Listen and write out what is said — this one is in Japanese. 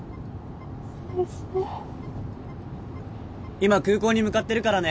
今空港に向かってるからね。